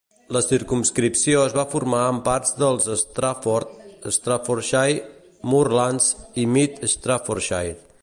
La circumscripció es va formar amb parts dels Stafford, Staffordshire Moorlands i Mid Staffordshire.